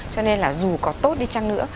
cho nên là dù có tốt đi chăng nữa